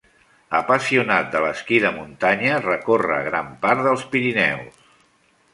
Apassionat de l'esquí de muntanya recorre gran part dels Pirineus.